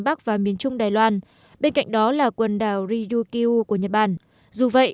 bắc và miền trung đài loan bên cạnh đó là quần đảo ryukyu của nhật bản dù vậy